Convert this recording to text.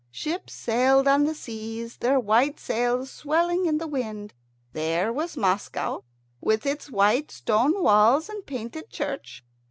Ships sailed on the seas, their white sails swelling in the wind. There was Moscow with its white stone walls and painted churches.